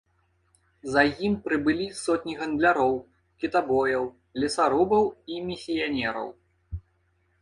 За ім прыбылі сотні гандляроў, кітабояў, лесарубаў і місіянераў.